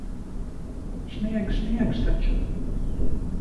Snieg sniegs taču.